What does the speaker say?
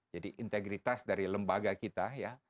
jadi integritas dari lembaga kita